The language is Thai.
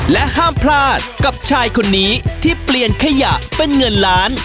และห้ามพลาดกับชายคนนี้ที่เปลี่ยนขยะเป็นเงินล้าน